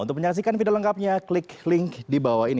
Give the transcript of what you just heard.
untuk menyaksikan video lengkapnya klik link di bawah ini